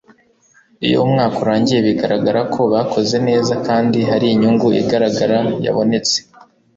iyo umwaka urangiye bigaragara ko bakoze neza kandi hari inyungu igaragara yabonetse